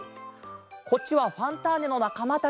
こっちは「ファンターネ！」のなかまたち。